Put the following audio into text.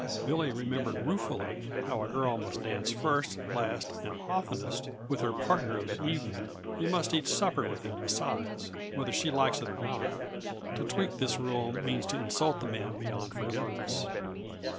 Billy remembered ruefully how a girl must dance first, last, and oftenest with her partner of the evening, and must eat supper with him besides, whether she likes or not; to tweak this rule means to insult the man beyond forgiveness.